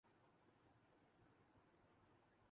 کل اہم میچ پاکستان اور بھارت کی ٹیموں کے درمیان کھیلا جائے گا